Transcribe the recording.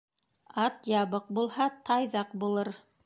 Ат ябыҡ булһа, тайҙаҡ булыр.